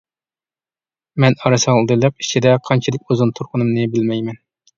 مەن ئارىسالدىلىق ئىچىدە قانچىلىك ئۇزۇن تۇرغىنىمنى بىلمەيمەن.